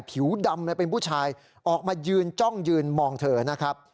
ผิวดำเลยเป็นผู้ชายออกมายืนจ้องยืนมองเธอนะครับ